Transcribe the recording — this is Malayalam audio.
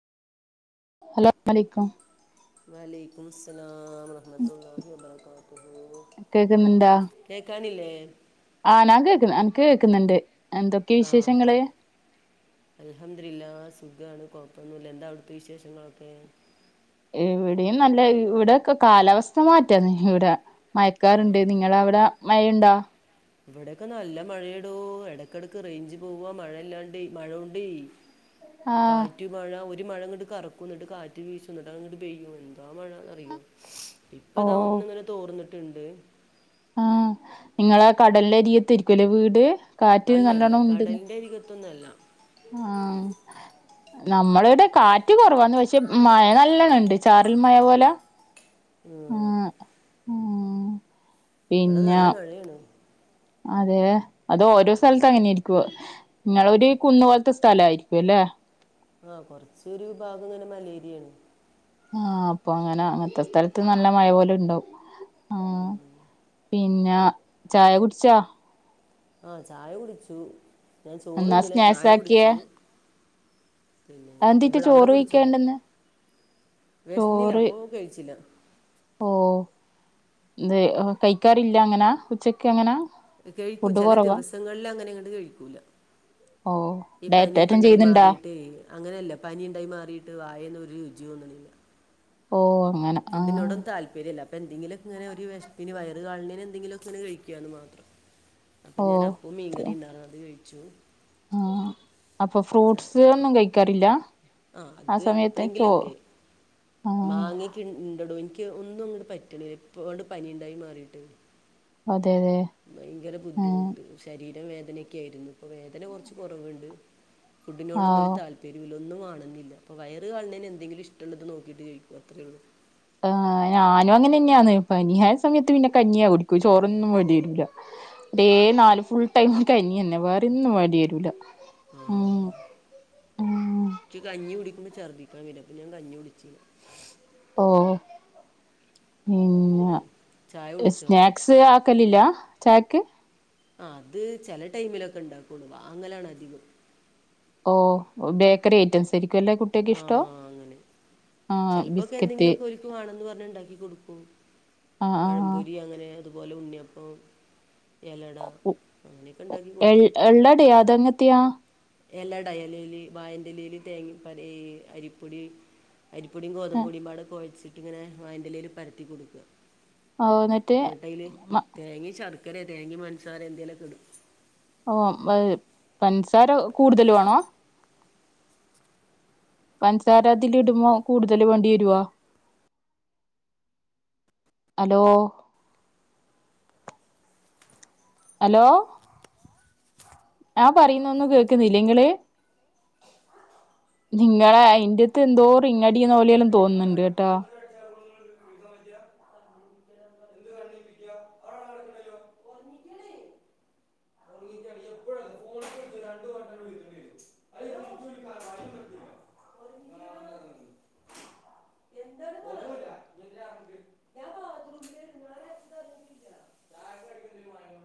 ഹലോ [unintelligible] ക്കും വലൈക്കുമുസ്സലാം വറഹ് കേകാനില്ലേ ആഹ് ഞാൻ കേക്ക അനക്ക് കേക്കുന്നുണ്ട് എന്തൊക്കെ ആഹ് വിശേഷങ്ങള് അൽഹംദുലില്ലാ സുഖാണ് കൊഴപ്പൊന്നുല്ല, എന്താ അവിടുത്തെ വിശേഷങ്ങളൊക്കെ? ഇവിടെയും നല്ല ഇവിടൊക്കെ കാലാവസ്ഥ മാറ്റാന്ന് ഇവിടെ ആ, മയക്കാറ്ണ്ട് നിങ്ങളവിടെ മയണ്ടാ ഇവിടൊക്കെ നല്ല മഴയാടോ, ഇടക്കിടക്ക് റേഞ്ച് പോവാ മഴേല്ലാണ്ടേ, മഴോണ്ടേ [inaudible] കാ റ്റ് മഴ ഒരു മഴ ഇങ്ങോട്ട് കറക്കും എന്നിട്ട് കാറ്റ് വീശും ന്നട്ടങ്ങട്ട് പെയ്യും എന്താ മഴാന്നറിയോ ഓ ഇപ്പതാ ഒന്ന്ങ്ങനെ തോർന്നിട്ട്ണ്ട് ആഹ് നിങ്ങളെ കടല്ലെരിയത്തേക്കുലേ വീട് കാറ്റ് അല്ലല്ല, കടലിന്റെ അരികത്തൊന്നുഅല്ല ആഹ് നമ്മളവിടെ കാറ്റ് കുറവാന്ന് പക്ഷെ മഴ നല്ലോണംണ്ട് ചാറൽ മഴ പോലെ ഉം. ആഹ് ഉം വടെ നല്ല മഴയാണ് അതേ അത് ഓരോ സ്ഥലത്ത് അങ്ങനെയിരിക്കു നിങ്ങളൊരു കുന്ന് പോലത്തെ സ്ഥല ആയിരിക്കുല്ലേ ആഹ് കുറച്ചൊരു ഭാഗങ്ങനെ മലേരിയാണ് ആഹ് അപ്പൊങ്ങനെ അങ്ങൻത്തെ സ്ഥലത്ത് നല്ല മഴ പോലുണ്ടാവും പിന്ന ചായ കുടിച്ചാ? ആഹ് ചായ കുടിച്ചു, ഞാൻ എന്നാ ചോറുണ്ണീല, സ്നാക്സ് ചായ ആക്കിയേ കുടിച്ചു പിന്നെ അതെന്തേറ്റി ഇവിടെ അവിടെ ചോറ് കുടിച്ചോ കഴിക്കാണ്ടെന്ന് വെശ്ന്നില്ല അപ്പൊ കഴിച്ചില്ല ഓഹ് ത് കഴിക്കാറില്ല അങ്ങനാ ഉച്ചക്ക് അങ്ങനാ ഖഴിക്കും ഫുഡ് ചില കുറവാ ദിവസങ്ങളിലങ്ങനെങ്ങട്ട് ഖഴിക്കൂല ഓ ഈ ഡയറ്റേറ്റം പനിയൊക്കെണ്ടായി ചെയ്യുന്നുണ്ടാ മാറീട്ടേ അങ്ങനെയല്ല പനിണ്ടായി മാറിയിട്ട് വായൊന്നൊരു രുചി തോന്ന്ണ്ല്ല ഓ അങ്ങനെ ആഹ് ഫുഡിനോടൊന്നും താല്പര്യല്ല പ്പന്തങ്കിലൊക്കെങ്ങനെ ഒരു വെശ്പിന് വയറു കാളണേന് എന്തെങ്കിലൊക്കെങ്ങന കഴിക്കാന്ന് മാത്രം അപ്പൊ ഓ ഞാനപ്പോം മീൻകറീണ്ടാർന്നു അത് കഴിച്ചു ആഹ് അപ്പൊ ഫ്രൂട്ട്സ് ഒന്നും കഴിക്കാറില്ല? ആഹ് ആ അത് സമയത്ത് ചോ എപ്പളെങ്കിലൊക്കെ ആ മങ്ങി എനിക്ക് ഇണ്ടെടോ എനിക്ക് ഒന്നും അങ്ങോട് പറ്റണില്ല ഇപ്പോണ്ട് പനിണ്ടായി മാറിയിട്ട് അതെ അതെ ഭയങ്കര ഉം ബുദ്ധിമുട്ട് ശരീരം വേദനൊക്കെ ആയിരുന്നു ഇപ്പൊ വേദന കൊറച്ച് കൊറവിണ്ട് ആ ഫുഡിനോടൊന്നും ഒരു താല്പ എരുവിന് ഒന്നും കാണുന്നില്ലാ അപ്പം വയറ് കാണുന്നതിന് എന്തെങ്കിലും ഇഷ്ടുള്ളത് നോക്കീട്ട് കഴിക്ക അത്രേയുള്ളൂ ആ ഞാനും അങ്ങനെ നന്നെയാണ്. പനിയായ സമയത്ത് പിന്നെ കഞ്ഞിയാ കുടിക്കും. ചോറൊന്നും വേണ്ടി വരുല്ലാ. എയ്‌ നാല് ഫുൾ ടൈം കഞ്ഞി തന്നെ. വേറെ ഒന്നും വേണ്ടി വരൂലാ. ആ ഉം. ഉം എനിക്ക് കഞ്ഞി കുടിക്കുമ്പോ ഛർദ്ദിക്കാൻ വരും അപ്പോ ഞാൻ കഞ്ഞി കുടിച്ചി ഓ ആ, ചായ പിന്ന കുടിച്ചോ സ്നാക്സ്, [unintelligible] ആക്കലില്ലാ ചായക്ക്? ആ അത് ചെല ടൈമിലൊക്കെ ഇണ്ടാക്കുള്ളു. വാങ്ങലാണ് അധികം. ഓഹ് ബേക്കറി ഐറ്റംസ് ആരിക്കൂല്ലേ കുട്ടിക്ക് ഇഷ്ടോ ചെലപ്പോക്കെ എന്തെങ്കിലുമൊക്കെ പൊലിപ്പ് വാണംന്ന്‌ പറഞ്ഞ ഇണ്ടാക്കി കൊടുക്കും. ആ ആ പഴംപൊരി അങ്ങനെ അതുപോലെ ഉണ്ണിയപ്പം. എലട അങ്ങനെയൊക്കെ ഇണ്ടാക്കി കൊടുക്കും എള്ളടയാ അതങ്ങത്തെയാ എലട എലേല് വായേൻ്റെലേല് തേങ്ങ [unintelligible] അരിപ്പൊടി. അരിപ്പൊടിയും ഗോതമ്പ്പൊടിയും മ്പാട് കൊഴച്ചിട്ടിങ്ങനെ, വായേൻ്റെ ഇലയിൽ പരത്തി കൊടുക്കുക. ഓ എന്നിട്ടയില് എന്നിട്ട് തേങ്ങേം ശർക്കര തേങ്ങ പഞ്ചസാര എന്തേലൊക്കെടും ഓ മേ പഞ്ചസാര കൂടുതല് വേണോ? പൻസാര അതില് ഇടുമ്പോ കൂടുതല് വേണ്ടി വരുവാ ഹലോ ഹലോ ഞാൻ പറയുന്നൊന്നും കേക്കുന്നില്ലെ ഇങ്ങള് നിങ്ങളെ അയിന്റെത്ത് എന്തോ റിങ്ങടീന്ന് പോലെ തോന്നുന്നുണ്ട് കേട്ടോ. [inaudible] [inaudible] [inaudible] [inaudible] എന്താണ് ഒന്നുമില്ല ഇങ്ങനെ ഇറങ്ങിട്ട് ഞാൻ ബാത്റൂമിൽ നിങ്ങളെ ചായ കഴിക്കുന്നതിന് വാങ്ങി